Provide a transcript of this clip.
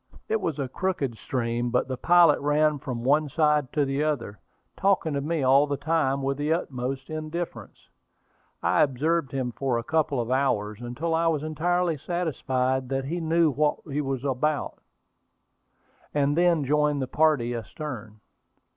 It was a crooked stream, but the pilot ran from one side to the other, talking to me all the time with the utmost indifference. I observed him for a couple of hours, until I was entirely satisfied that he knew what he was about, and then joined the party astern.